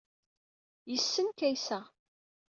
Yessen Kaysa.